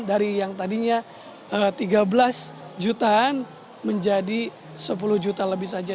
dari yang tadinya tiga belas jutaan menjadi sepuluh juta lebih saja